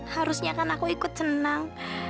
harusnya kan aku ikut senang